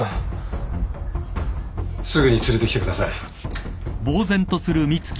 すぐに連れてきてください。